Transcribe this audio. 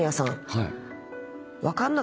はい。